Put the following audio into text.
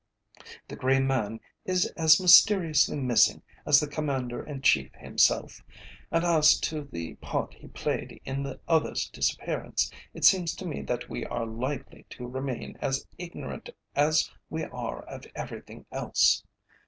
The grey man is as mysteriously missing as the Commander in Chief himself, and as to the part he played in the other's disappearance, it seems to me that we are likely to remain as ignorant as we are of everything else.